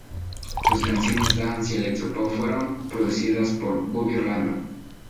Sus canciones dance y electropop fueron producidas por Bobby Orlando.